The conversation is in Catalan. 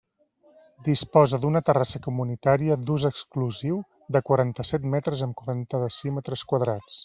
Disposa d'una terrassa comunitària d'ús exclusiu de quaranta-set metres amb quaranta decímetres quadrats.